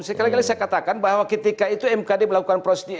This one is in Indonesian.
saya katakan bahwa ketika itu mkd melakukan proses ini